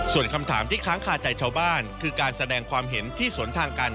ส่วนคำถามที่ค้างคาใจชาวบ้านคือการแสดงความเห็นที่สวนทางกัน